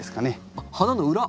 あっ花の裏？